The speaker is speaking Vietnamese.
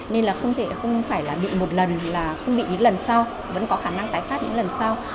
nên không phải bị một lần không bị những lần sau vẫn có khả năng tái phát những lần sau